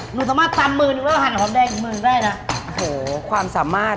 หนูสามารถตำมือนึงแล้วหั่นหอมแดงถึงมือได้นะโหความสามารถ